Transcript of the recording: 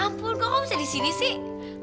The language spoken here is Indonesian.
ya ampun kok kamu bisa di sini sih